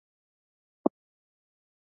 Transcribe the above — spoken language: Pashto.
سوداګرۍ ته ولې اړتیا ده؟